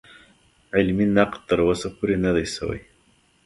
علمي نقد تر اوسه پورې نه دی شوی.